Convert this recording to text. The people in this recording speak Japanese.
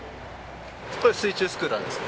これ水中スクーターですね。